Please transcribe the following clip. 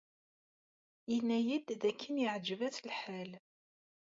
Yenna-iyi-d dakken yeɛjeb-as lḥal.